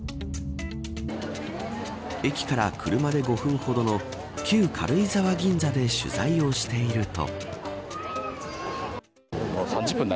駅から車で５分ほどの旧軽井沢銀座で取材をしていると。